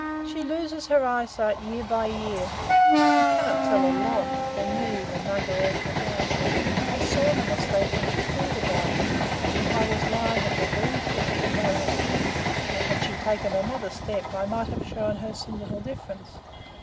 She loses her eyesight year by year, and cannot tell a log from me the Mugger of the Ghaut. I saw the mistake when she threw the garland, for I was lying at the very foot of the Ghaut, and had she taken another step I might have shown her some little difference.